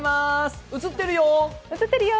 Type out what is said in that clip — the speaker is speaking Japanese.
映ってるよ。